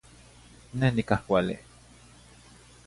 Neh nicah cuale.